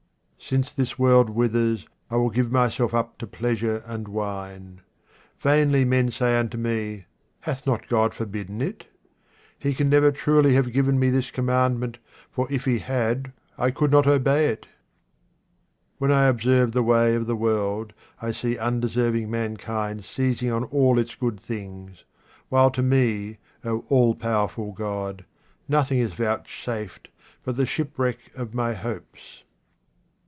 Since this world withers I will give myself up to pleasure and wine. Vainly men say unto me, " Hath not God forbidden it ?" He can truly never have given me this commandment, for if He had I could not obey it ! When I observe the way of the world, I see undeserving mankind seizing on all its good things, while to me, O all powerful God, nothing is vouchsafed but the shipwreck of my hopes.